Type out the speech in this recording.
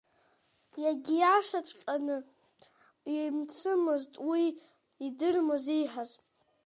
Иагьиашаҵәҟьаны, имцымызт уи идырмыз ииҳәаз.